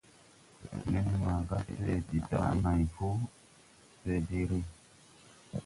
Nen maaga se de daʼ nãy po, se de re.